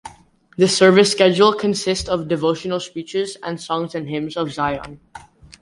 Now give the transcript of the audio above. The service schedule consists of devotional speeches and Songs and Hymns of Zion.